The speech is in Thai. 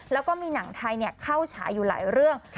แล้วก็มีหนังไทยเข้าฉายอยู่หลายเรื่อง